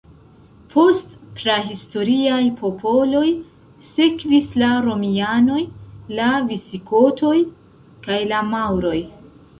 Post prahistoriaj popoloj sekvis la Romianoj, la Visigotoj kaj la Maŭroj.